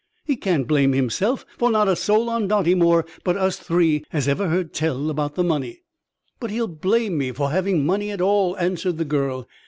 He can't blame himself, for not a soul on Dartymoor but us three has ever heard tell about the money." "But he'll blame me for having money at all," answered the girl.